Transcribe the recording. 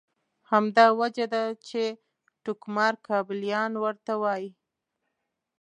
همدا وجه ده چې ټوکمار کابلیان ورته وایي.